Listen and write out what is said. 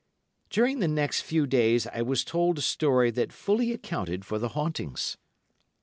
During the next few days I was told a story that fully accounted for the hauntings.